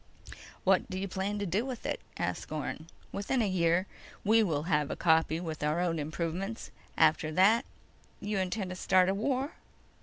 "What do you plan to do with it?" asked Orne. "Within a year we will have a copy with our own improvements. After that—" "You intend to start a war?"